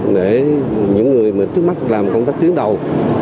để những người mà trước mắt làm công tác tuyến đầu